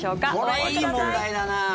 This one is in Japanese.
これ、いい問題だな！